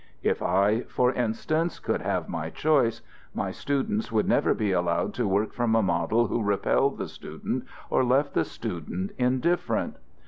If I, for instance, could have my choice, my students would never be allowed to work from a model who repelled the student or left the student indifferent.